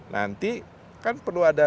nanti kan perlu ada